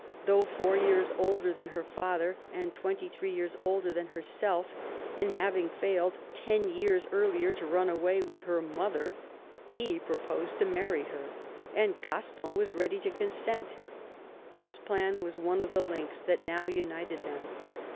Though four years older than her father and twenty three years older than herself, and having failed ten years earlier to run away with her mother, he proposed to marry her, and Gaston was ready to consent. This plan was one of the links that now united them.